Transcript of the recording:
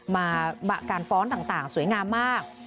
มาการฟ้อนต่างสวยงามมาก